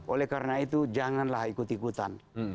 oleh karena itu janganlah ikut ikutan